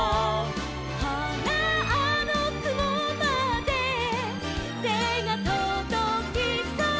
「ほらあのくもまでてがとどきそう」